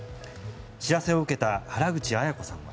知らせを受けた原口アヤ子さんは。